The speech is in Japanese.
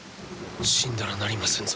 死んだらなりませんぞ。